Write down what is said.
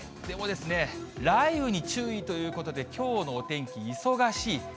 でも、雷雨に注意ということで、きょうのお天気、忙しい。